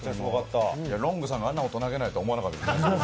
ロングさんがあんな大人げないと思わなかったですね。